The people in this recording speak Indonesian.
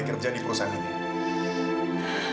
kerja di perusahaan ini